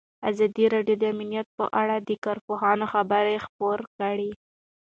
ازادي راډیو د امنیت په اړه د کارپوهانو خبرې خپرې کړي.